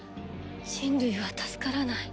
人類は助からない。